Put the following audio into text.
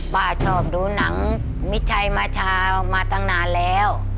ป้าชอบดูหนังมิตรชัยบัญชามาตั้งนานแล้ว